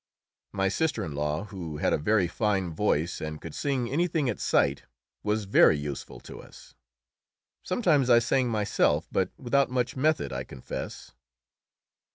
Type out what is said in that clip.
My sister in law, who had a very fine voice and could sing anything at sight, was very useful to us. Sometimes I sang myself, but without much method, I confess.